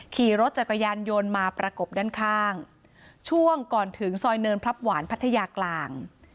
ขี่รถจักรยานยนต์มาประกบด้านข้างช่วงก่อนถึงซอยเนินพลับหวานพัทยากลาง